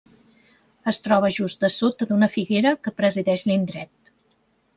Es troba just dessota d'una figuera que presideix l'indret.